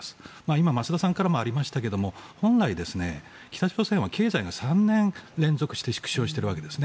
今、増田さんからもありましたが本来、北朝鮮は経済が３年連続して縮小しているわけです。